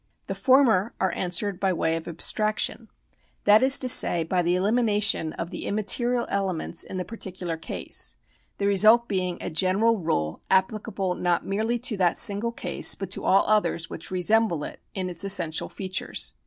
The former are answered by way of abstraction, that is to say, by the elimination of the immaterial elements in the particular case, the result being a general rule applicable not merely to that single case, but to all others which resemble it in its essential features.